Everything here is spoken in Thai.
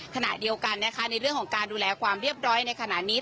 ขณะเดียวกันนะคะในเรื่องของการดูแลความเรียบร้อยในขณะนี้